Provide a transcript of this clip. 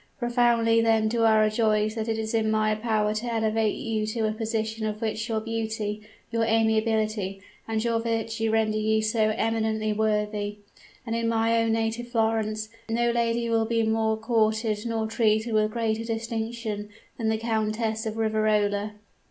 Profoundly then do I rejoice that it is in my power to elevate you to a position of which your beauty, your amiability and your virtue render you so eminently worthy; and in my own native Florence, no lady will be more courted, nor treated with greater distinction than the Countess of Riverola.'